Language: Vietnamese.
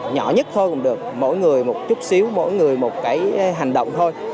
nhỏ nhất thôi cũng được mỗi người một chút xíu mỗi người một cái hành động thôi